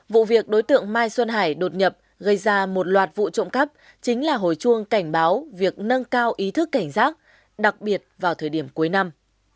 vụ việc đối tượng mai xuân hải đột nhập gây ra một loạt vụ trộm cắp chính là hồi chuông cảnh báo việc nâng cao ý thức cảnh giác đặc biệt vào thời điểm cuối năm